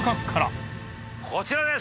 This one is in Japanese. こちらです。